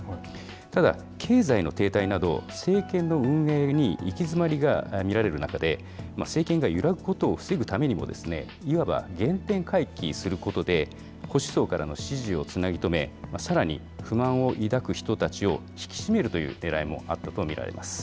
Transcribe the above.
ただ経済の停滞など、政権の運営に行き詰まりが見られる中で、政権が揺らぐことを防ぐためにも、いわば原点回帰することで、保守層からの支持をつなぎ止め、さらに不満を抱く人たちを引き締めるというねらいもあったと見られます。